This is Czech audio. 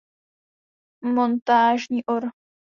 Montážní or